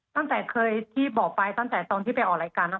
ตั้งแต่เคยที่บอกไปตั้งแต่ตอนที่ไปออกรายการ